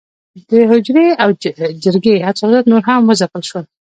د حجرې او جرګې اساسات نور هم وځپل شول.